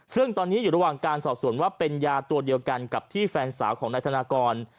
ซึ่งตอนนี้อยู่ระหว่างการสอบส่วนว่าเป็นยาตัวเดียวกันกับที่แฟนสาวของนายธนากร